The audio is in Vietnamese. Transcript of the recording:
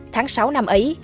tháng sáu năm ấy